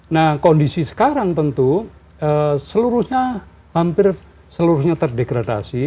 nah kondisi sekarang tentu seluruhnya hampir seluruhnya terdegradasi